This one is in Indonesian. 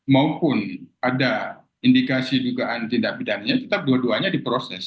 maupun ada indikasi dugaan tindak pidananya tetap dua duanya diproses